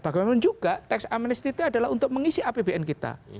bahkan juga teks amnesti itu untuk mengisi apbn kita